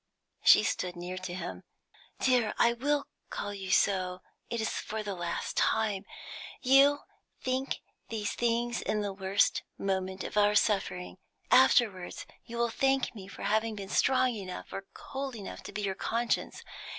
She stood near to him. "Dear, I will call you so, it is for the last time, you think these things in the worst moment of our suffering; afterwards you will thank me for having been strong enough, or cold enough, to be your conscience.